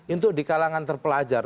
itu di kalangan terpelajar